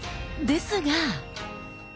ですが。